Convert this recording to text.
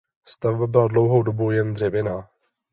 Stavba byla dlouhou dobu jen dřevěná.